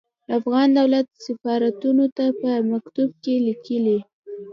افغان دولت سفارتونو ته په مکتوب کې ليکلي.